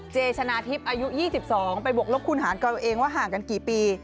เจชนาธิบอายุ๒๒ไปบกลบคุณหาดกันเองว่าห่างกันกี่ปี